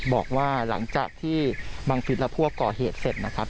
บอกว่าหลังจากที่บังฟิศและพวกก่อเหตุเสร็จนะครับ